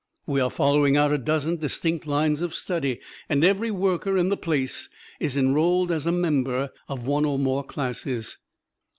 We are following out a dozen distinct lines of study, and every worker in the place is enrolled as a member of one or more classes.